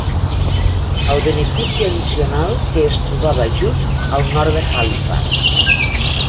El benefici addicional que es trobava just al nord de Halifax.